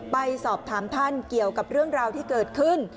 ไปสอบถามท่านเกี่ยวกับเรื่องราวที่เกิดขึ้น